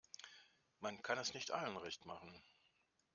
Man kann es nicht allen recht machen.